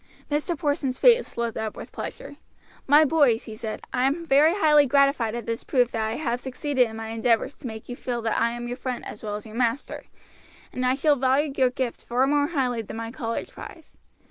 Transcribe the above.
Mr. Porson's face lit up with pleasure. "My boys," he said, "I am very highly gratified at this proof that I have succeeded in my endeavors to make you feel that I am your friend as well as your master, and I shall value your gift far more highly than my college prize.